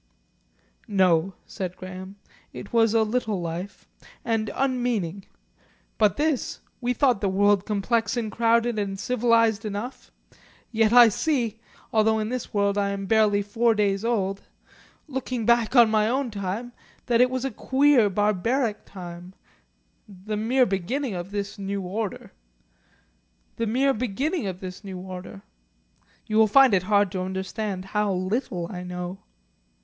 "No," said Graham. "It was a little life and unmeaning. But this We thought the world complex and crowded and civilised enough. Yet I see although in this world I am barely four days old looking back on my own time, that it was a queer, barbaric time the mere beginning of this new order. The mere beginning of this new order. You will find it hard to understand how little I know."